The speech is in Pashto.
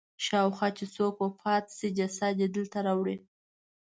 شاوخوا چې څوک وفات شي جسد یې دلته راوړي.